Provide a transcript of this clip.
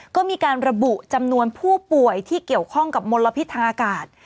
ก็มีการระบุจำนวนผู้ป่วยที่เกี่ยวข้องกับมลพิษทางอากาศ